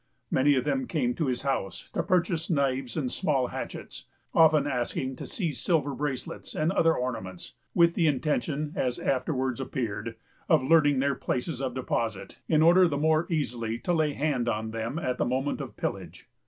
Many of them came to his house, to purchase knives and small hatchets, often asking to see silver bracelets, and other ornaments, with the intention, as afterwards appeared, of learning their places of deposit, in order the more easily to lay hand on them at the moment of pillage.